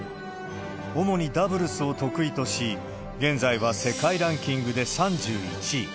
主にダブルスを得意とし、現在は世界ランキングで３１位。